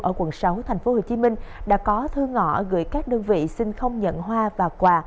ở quận sáu tp hcm đã có thư ngõ gửi các đơn vị xin không nhận hoa và quà